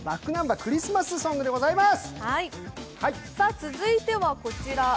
続いてはこちら。